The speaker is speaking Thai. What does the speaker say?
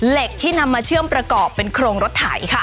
เหล็กที่นำมาเชื่อมประกอบเป็นโครงรถไถค่ะ